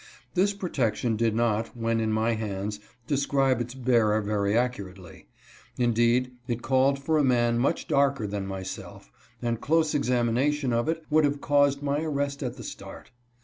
This protection did not, when in my hands, describe its bearer very accurately. Indeed, it called for a man much darker than myself, and close examination of it would have caused my arrest at the start.